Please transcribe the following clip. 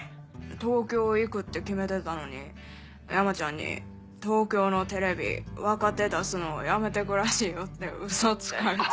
東京行くって決めてたのに山ちゃんに「東京のテレビ若手出すのやめてくらしいよ」ってウソつかれて。